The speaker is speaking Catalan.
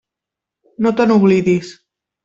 No te n'oblidis.